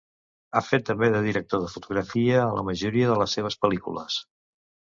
Ha fet també de director de fotografia a la majoria de les seves pel·lícules.